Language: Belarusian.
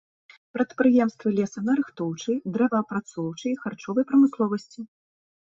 Прадпрыемствы лесанарыхтоўчай, дрэваапрацоўчай і харчовай прамысловасці.